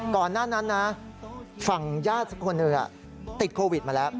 ก่อนหน้านั้นนะฝั่งญาติคนหนึ่งติดโควิดมาแล้ว